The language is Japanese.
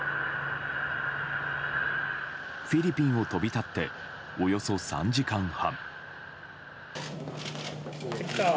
フィリピンを飛び立っておよそ３時間半。